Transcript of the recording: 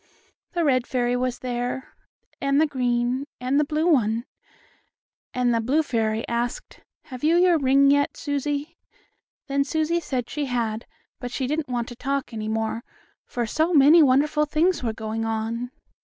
The red fairy was there, and the green, and the blue one. And the blue fairy asked: "Have you your ring yet, Susie?" Then Susie said she had, but she didn't want to talk any more, for so many wonderful things were going on.